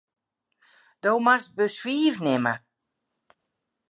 Do moatst bus fiif nimme.